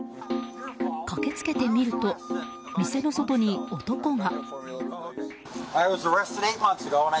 駆け付けてみると店の外に男が。